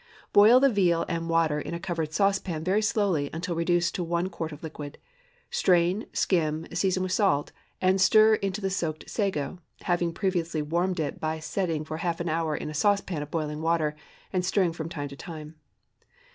Boil the veal and water in a covered saucepan very slowly until reduced to one quart of liquid; strain, skim, season with salt, and stir in the soaked sago (having previously warmed it by setting for half an hour in a saucepan of boiling water, and stirring from time to time.)